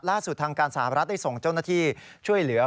ทางการสหรัฐได้ส่งเจ้าหน้าที่ช่วยเหลือ